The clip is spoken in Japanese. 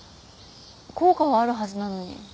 効果はあるはずなのに。